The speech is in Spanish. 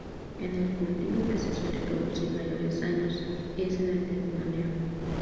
En el cultivo que suele producir mayores daños es en el del limonero.